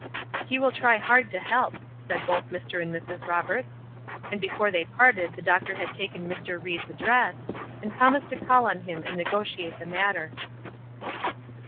"He will try hard to help," said both Mr. and Mrs. Roberts. And before they parted the doctor had taken Mr. Ried's address, and promised to call on him and negotiate the matter.